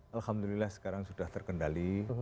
alhamdulillah sekarang sudah terkendali